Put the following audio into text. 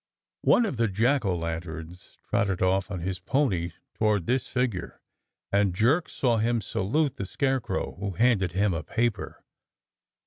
One of the jack o' lanterns trotted off on his pony toward this figure, and Jerk saw him salute the Scare crow, who handed him a paper.